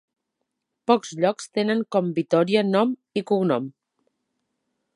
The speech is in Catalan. Pocs llocs tenen com Vitòria nom i cognom.